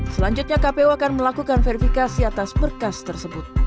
selanjutnya kpu akan melakukan verifikasi atas berkas tersebut